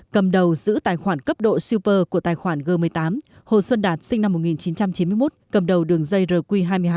cầm đầu giữ tài khoản cấp độ super của tài khoản g một mươi tám hồ xuân đạt sinh năm một nghìn chín trăm chín mươi một cầm đầu đường dây rq hai mươi hai